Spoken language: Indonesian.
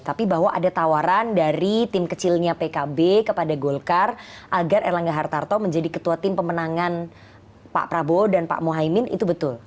tapi bahwa ada tawaran dari tim kecilnya pkb kepada golkar agar erlangga hartarto menjadi ketua tim pemenangan pak prabowo dan pak muhaymin itu betul